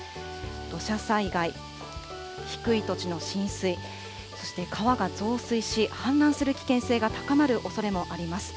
土砂災害、低い土地の浸水、そして川が増水し、氾濫する危険性が高まるおそれもあります。